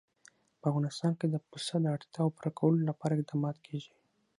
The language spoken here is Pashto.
په افغانستان کې د پسه د اړتیاوو پوره کولو لپاره اقدامات کېږي.